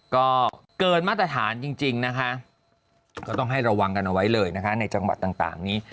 ก็เกินมาตรฐานจริงนะคะก็ต้องให้ระวังกันเอาไว้เลยนะคะในจังหวัดต่างนี้